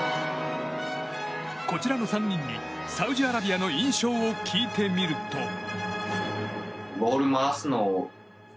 こちらの３人にサウジアラビアの印象を聞いてみると。